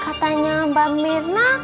katanya mbak mirna